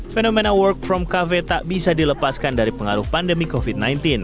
fenomena work from cafe tak bisa dilepaskan dari pengaruh pandemi covid sembilan belas